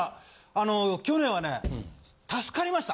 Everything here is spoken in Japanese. あの去年はね助かりました。